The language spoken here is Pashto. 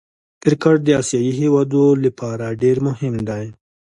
کرکټ د آسيايي هېوادو له پاره ډېر مهم دئ.